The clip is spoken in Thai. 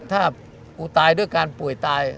ถ้ากูตายด้วยการป่วยตาย